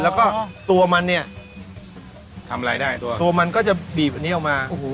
แล้วก็ตัวมันเนี่ยทำอะไรได้ตัวตัวมันก็จะบีบอันนี้ออกมา